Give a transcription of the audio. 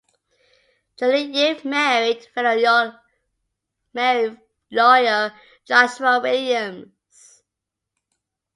Julie Yip married fellow lawyer Joshua Williams.